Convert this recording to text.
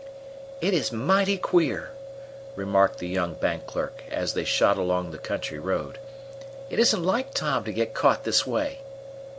"It is mighty queer!" remarked the young bank clerk, as they shot along the country road. "It isn't like Tom to get caught this way."